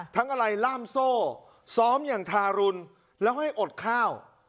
อะไรล่ามโซ่ซ้อมอย่างทารุณแล้วให้อดข้าว